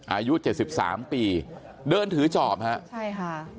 อายุเจ็ดสิบสามปีเดินถือจอบฮะใช่ค่ะ